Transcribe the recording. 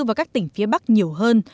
vào các tỉnh phía bắc nhiều hơn